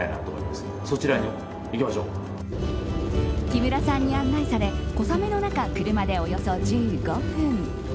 木村さんに案内され小雨の中、車でおよそ１５分。